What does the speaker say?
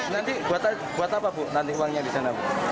nanti buat apa bu nanti uangnya disana